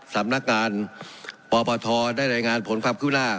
สำนักงานปปทได้รายงานผลความคืบหน้า